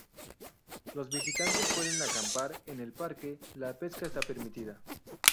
Los visitantes pueden acampar en el parque, la pesca está permitida.